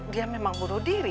dia memang bodoh diri